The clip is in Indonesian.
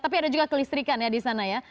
tapi ada juga kelistrikan ya di sana ya